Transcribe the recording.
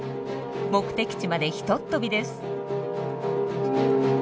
目的地までひとっ飛びです。